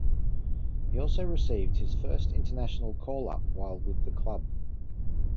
He also received his first international call up while with the club.